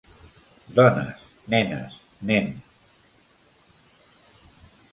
Dones, nenes, nen...